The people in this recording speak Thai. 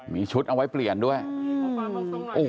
เมื่อยครับเมื่อยครับ